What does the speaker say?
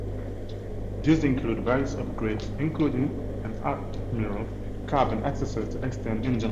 These include various upgrades including and Admiral Cab and accessories to extend engine like.